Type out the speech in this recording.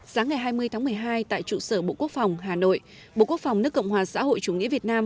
sáng ngày hai mươi tháng một mươi hai tại trụ sở bộ quốc phòng hà nội bộ quốc phòng nước cộng hòa xã hội chủ nghĩa việt nam